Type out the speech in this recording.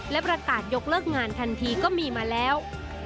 และประกาศยกเลิกงานทันทีก็มีมาแล้ว